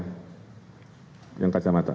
hai yang kacamata